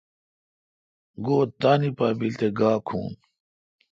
گو°تانی پا بیل تے گا کھوں۔